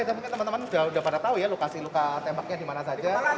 sesuai dengan teman teman sudah pada tahu ya lukasi luka tembaknya di mana saja